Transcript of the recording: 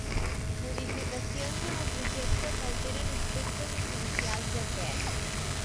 Modificacions en el projecte que alteren aspectes essencials d'aquest.